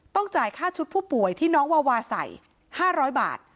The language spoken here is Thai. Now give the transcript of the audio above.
จ่ายค่าชุดผู้ป่วยที่น้องวาวาใส่๕๐๐บาท